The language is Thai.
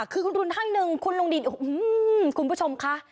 คือคุณทุนท่านหนึ่งคุณลงดินอื้อหื้อคุณผู้ชมคะ